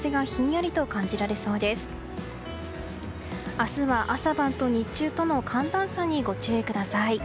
明日は朝晩と日中との寒暖差にご注意ください。